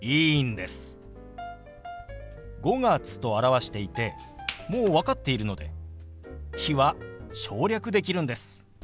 「５月」と表していてもう分かっているので「日」は省略できるんです。